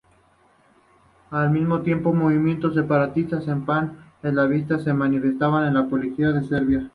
Al mismo tiempo movimientos separatistas y pan-eslavistas se manifestaban en la política serbia.